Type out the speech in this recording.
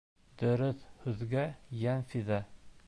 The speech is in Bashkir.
Дөрөҫ һүҙгә йән фиҙа.